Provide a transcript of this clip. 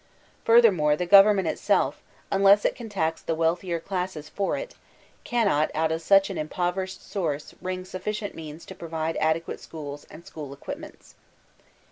Furthermore the government itself, unless it can tax the wealthier classes for it, cannot out of such an impoverished source wring sufficient means to provide adequate schook and school equipments.